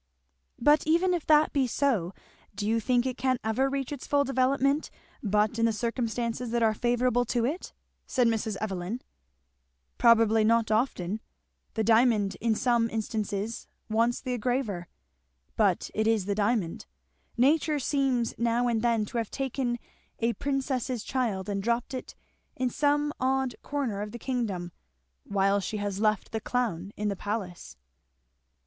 "But even if that be so, do you think it can ever reach its full development but in the circumstances that are favourable to it?" said Mrs. Evelyn. "Probably not often; the diamond in some instances wants the graver; but it is the diamond. Nature seems now and then to have taken a princess's child and dropped it in some odd corner of the kingdom, while she has left the clown in the palace."